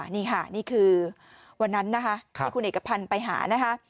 นี่ค่ะนี่คือวันนั้นนะคะที่คุณเอกพันธ์ไปหานะคะ